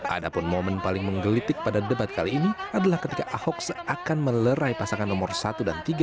ada pun momen paling menggelitik pada debat kali ini adalah ketika ahok seakan melerai pasangan nomor satu dan tiga